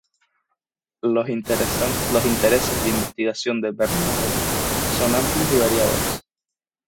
Los intereses de investigación de Bernard son amplios y variados.